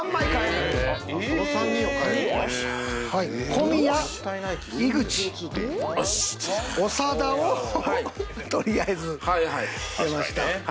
小宮井口長田をとりあえず。出ました。